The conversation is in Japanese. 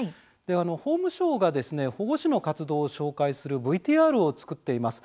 法務省が、保護司の活動を紹介するＶＴＲを作っています。